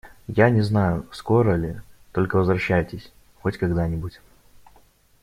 Я не знаю, скоро ли, Только возвращайтесь… хоть когда-нибудь.